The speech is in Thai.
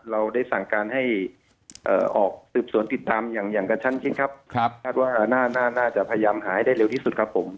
เราได้สั่งการให้ออกสืบสวนติดตามอย่างกระชั้นชิดครับคาดว่าน่าจะพยายามหาให้ได้เร็วที่สุดครับผม